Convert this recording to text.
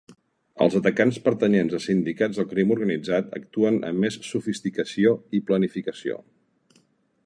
Els atacants pertanyents a sindicats del crim organitzat actuen amb més sofisticació i planificació.